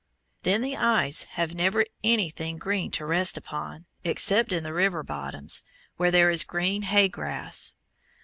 Then the eyes have never anything green to rest upon, except in the river bottoms, where there is green hay grass.